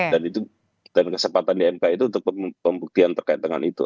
dan itu dan kesempatan di mk itu untuk pembuktian terkait dengan itu